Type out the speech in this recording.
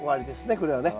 これはね。